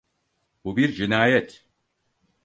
Bu bir cinayet.